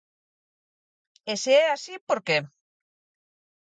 E se é así, por que?